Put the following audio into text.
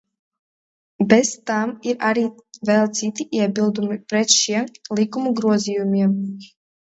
Bez tam ir arī vēl citi iebildumi pret šiem likumu grozījumiem.